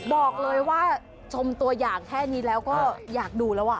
บอกเลยว่าชมตัวอย่างแค่นี้แล้วก็อยากดูแล้วอ่ะ